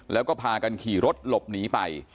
แล้วก็พากันขี่รถหลบหนีไป